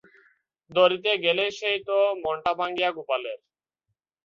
ধরিতে গেলে সেই তো মনটা ভাঙিয়া গোপালের।